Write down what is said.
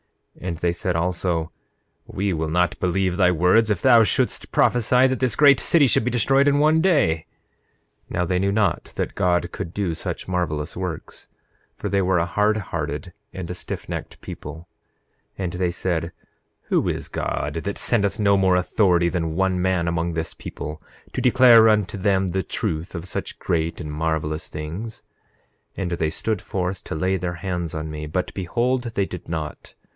9:4 And they said also: We will not believe thy words if thou shouldst prophesy that this great city should be destroyed in one day. 9:5 Now they knew not that God could do such marvelous works, for they were a hard hearted and a stiffnecked people. 9:6 And they said: Who is God, that sendeth no more authority than one man among this people, to declare unto them the truth of such great and marvelous things? 9:7 And they stood forth to lay their hands on me; but behold, they did not.